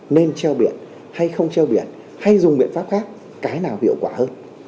nên treo biển hay không treo biển hay dùng biện pháp khác cái nào hiệu quả hơn